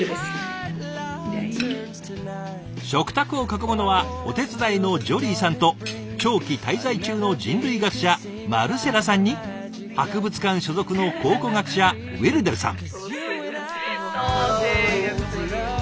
食卓を囲むのはお手伝いのジョリーさんと長期滞在中の人類学者マルセラさんに博物館所属の考古学者ウィルデルさん。